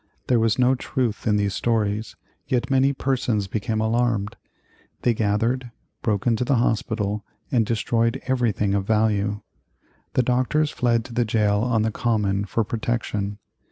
There was no truth in these stories, yet many persons became alarmed. They gathered, broke into the hospital and destroyed everything of value. The doctors fled to the jail on the Common for protection.